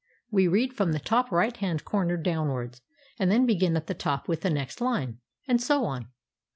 We read from the top right hand corner downwards, and then begin at the top with the next line, and so on.